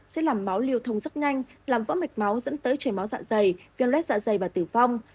sẽ làm máu liều thông rất nhanh làm vỡ mạch máu dẫn tới chảy máu dạ dày viêm lết dạ dày và tử vong